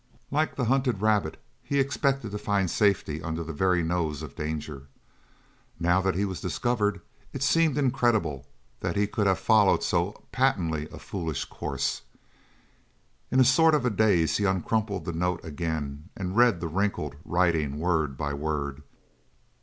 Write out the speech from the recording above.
Like the hunted rabbit, he expected to find safety under the very nose of danger. Now that he was discovered it seemed incredible that he could have followed so patently foolish a course. In a sort of daze he uncrumpled the note again and read the wrinkled writing word by word.